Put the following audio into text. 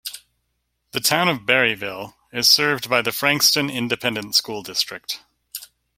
The Town of Berryville is served by the Frankston Independent School District.